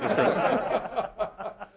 ハハハハ！